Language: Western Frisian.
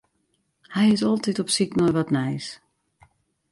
Hy is altyd op syk nei wat nijs.